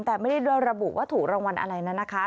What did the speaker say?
แต่ไม่ได้โดยระบุว่าถูกรางวัลอะไรนะนะคะ